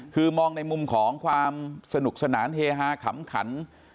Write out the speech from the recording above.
คือมองในมุมของความสนุกสนานเฮฮาขำขัน